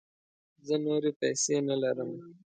زه نوری پیسې نه لرم